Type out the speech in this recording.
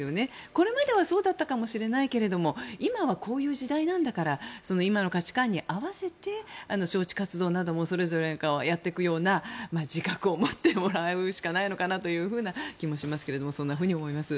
これまではそうだったかもしれないけれども今はこういう時代なんだから今の価値観に合わせて招致活動などもそれぞれがやっていくような自覚を持ってもらうしかないのかなという気もしますがそんなふうに思います。